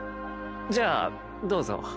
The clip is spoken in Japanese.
じゃあどうぞ。